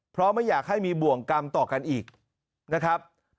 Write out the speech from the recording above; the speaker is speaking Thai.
เพราะไม่อยากให้มีบ่วงกรรมต่อกันอีกนะครับ